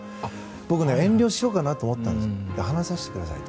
僕、遠慮しようかなと思ったんですけど話させてくださいと。